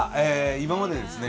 今までですね